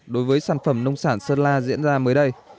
đối với sản phẩm nông sản sơn la diễn ra mới đây